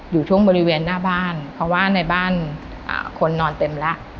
อยู่ช่วงบริเวณหน้าบ้านเพราะว่าในบ้านคนนอนเต็มแล้ว